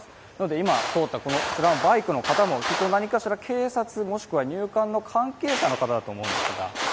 今通ったバイクの方も何かしら、警察、入管の関係者の方だと思います。